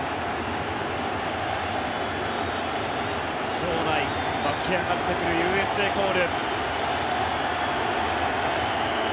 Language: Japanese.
場内湧き上がってくるＵＳＡコール。